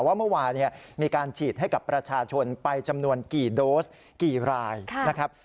ว่าเมื่อวานมีการฉีดให้กับประชาชนไปจำนวนกี่โดสกี่รายนะครับ